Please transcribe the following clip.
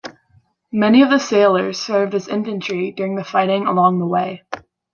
Many of the sailors served as infantry during the fighting along the way.